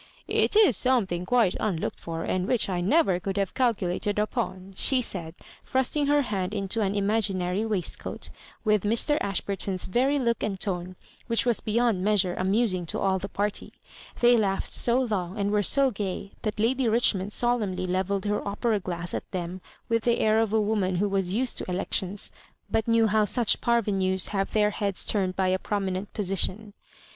''It is BomethiAg quite unlocked for, and which I never could have calculated upon," she said, thrusting her hand into an imaginary waistcoat, with Mr. Ashburton's very look and tone, which was beyond measure amusing to all the party. They Jitughed so long, and were so gay, that Lady Richmond solenmly levelled her opera glass at them with the air of a woman who was used to elections, but knew how such parvenus have their heads turned by a promi nent position.